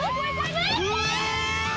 うわ！